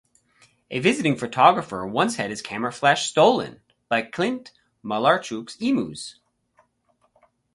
A visiting photographer once had his camera flash stolen by Clint Malarchuk's emus.